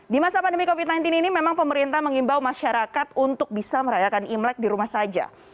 di masa pandemi covid sembilan belas ini memang pemerintah mengimbau masyarakat untuk bisa merayakan imlek di rumah saja